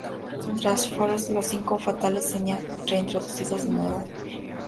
Tras Flashpoint, los Cinco Fatales serían reintroducidos de nuevo.